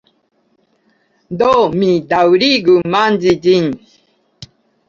Do, mi daŭrigu manĝi ĝin.